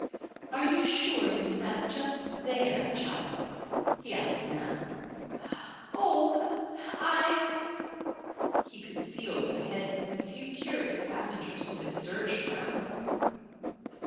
"Are you sure you sat just there, child?" he asked Nan. "Oh I " He could see over the heads of the few curious passengers who had surged around them.